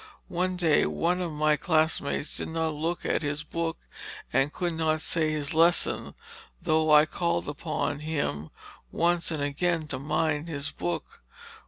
One day one of my classmates did not look at his book, and could not say his lesson, though I called upon him once and again to mind his book.